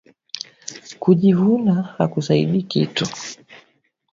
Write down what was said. Kujivuna akusaidii kitu